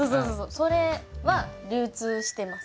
それは流通してます